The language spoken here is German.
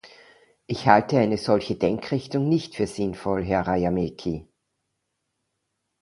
Ich halte eine solche Denkrichtung nicht für sinnvoll, Herr Rajamäki.